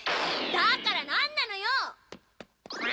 だからなんなのよお！